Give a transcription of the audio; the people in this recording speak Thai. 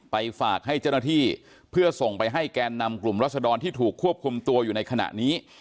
ฝากให้เจ้าหน้าที่เพื่อส่งไปให้แกนนำกลุ่มรัศดรที่ถูกควบคุมตัวอยู่ในขณะนี้